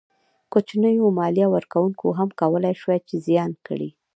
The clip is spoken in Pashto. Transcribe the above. کوچنیو مالیه ورکوونکو هم کولای شوای چې زیان کړي.